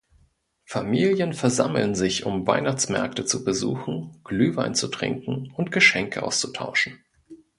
Familien versammeln sich, um Weihnachtsmärkte zu besuchen, Glühwein zu trinken und Geschenke auszutauschen.